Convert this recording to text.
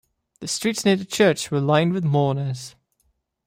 The streets near the church were lined with mourners.